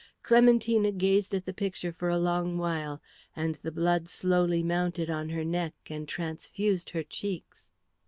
Clementina gazed at the picture for a long while, and the blood slowly mounted on her neck and transfused her cheeks.